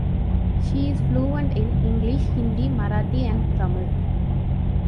She is fluent in English, Hindi, Marathi and Tamil.